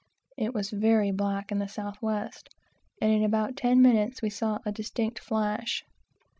It was very black in the south west, and in about ten minutes we saw a distinct flash.